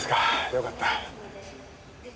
よかった。